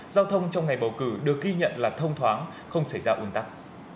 giao thông trong ngày bầu cử được ghi nhận là thông thoáng không xảy ra un tắc